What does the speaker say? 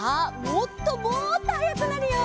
もっともっとはやくなるよ！